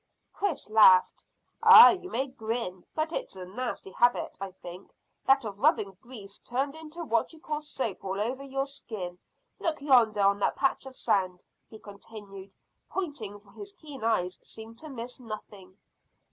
Chris laughed. "Ah, you may grin, but it's a nasty habit, I think, that of rubbing grease turned into what you call soap all over your skin. Look yonder on that patch of sand," he continued, pointing, for his keen eyes seemed to miss nothing.